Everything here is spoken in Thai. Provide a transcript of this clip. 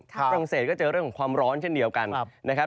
ฝรั่งเศสก็เจอเรื่องของความร้อนเช่นเดียวกันนะครับ